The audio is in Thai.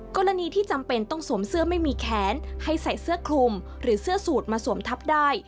กรณีที่จำเป็นต้องสวมเสื้อไม่มีแขนให้ใส่เสื้อคลุมหรือเสื้อสูตรมาสวมทับได้